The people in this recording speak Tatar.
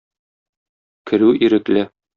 Керү ирекле.